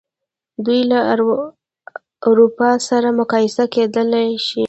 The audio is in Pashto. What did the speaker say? دوی له اروپا سره مقایسه کېدلای شي.